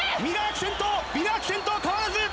ミラーク先頭、変わらず。